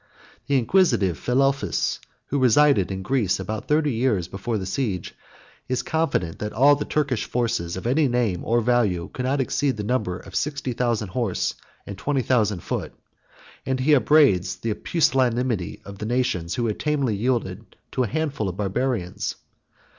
The inquisitive Philelphus, who resided in Greece about thirty years before the siege, is confident, that all the Turkish forces of any name or value could not exceed the number of sixty thousand horse and twenty thousand foot; and he upbraids the pusillanimity of the nations, who had tamely yielded to a handful of Barbarians.